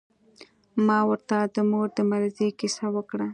ما ورته د مور د مريضۍ کيسه وکړه.